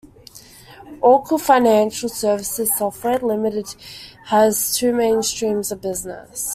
Oracle Financial Services Software Limited has two main streams of business.